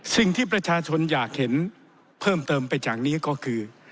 สิ่งที่ประชาชนอยากเห็นเพิ่มเติมไปจากนี้ก็คือ